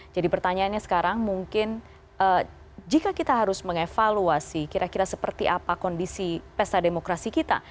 jadi pertanyaannya sekarang mungkin jika kita harus mengevaluasi kira kira seperti apa kondisi pesta demokrasi kita